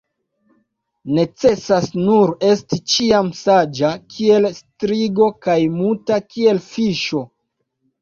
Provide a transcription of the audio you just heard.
Necesas nur esti ĉiam saĝa kiel strigo kaj muta kiel fiŝo.